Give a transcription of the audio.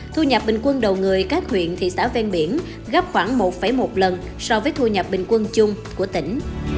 thu nhập bình quân đầu người các huyện thị xã ven biển gấp khoảng một một lần so với thu nhập bình quân chung của tỉnh